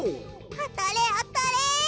あたれあたれ。